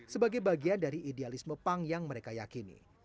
sebagai bagian dari idealisme punk yang mereka yakini